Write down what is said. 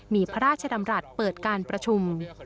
มีพระราชดำรัฐเปิดการประชุม